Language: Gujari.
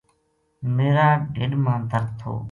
میرا ڈھیڈ ما درد تھو